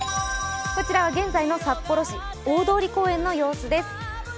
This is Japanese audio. こちらは現在の札幌市、大通公園の様子です。